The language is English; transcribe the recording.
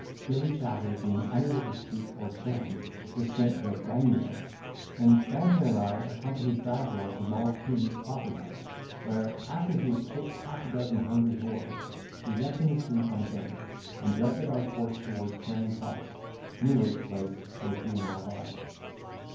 Billy Chatter, being unable to speak or stand, was sent to a bagnio; and Banter and I accompanied Bragwell to Moll King's coffee house, where after he had kicked half a dozen hungry whores, we left him asleep on a bench, and directed our course towards Charing cross, near which place both he and I lodged.